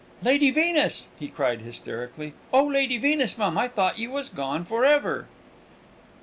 "Lady Venus!" he cried hysterically. "Oh, Lady Venus, mum, I thought you was gone for ever!"